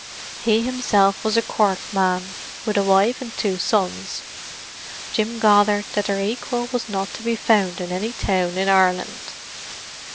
He himself was a Cork man, with a wife and two sons; Jim gathered that their equal was not to be found in any town in Ireland.